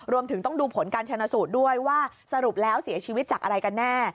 รวมถึงต้องดูผลการชนะสูตรด้วยว่าสรุปแล้วเสียชีวิตจากอะไรกันแน่